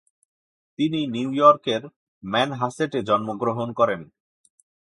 তিনি নিউ ইয়র্কের ম্যানহাসেটে জন্মগ্রহণ করেন।